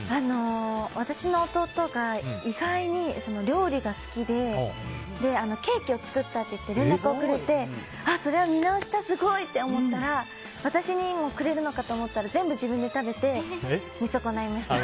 私の弟が意外に料理が好きでケーキを作ったといって連絡をくれてそれは見直したすごいって思ったら私にもくれるかと思ったら全部自分で食べて見損ないました。